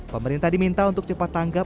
pemerintah diminta untuk cepat tanggap